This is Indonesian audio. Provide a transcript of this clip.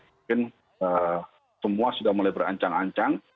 mungkin semua sudah mulai berancang ancang